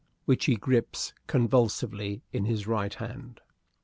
which he grips convulsively in his right hand.